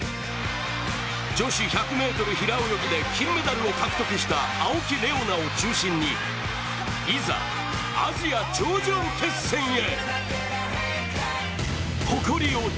女子１００ｍ平泳ぎで金メダルを獲得した青木玲緒樹を中心にいざ、アジア頂上決戦へ。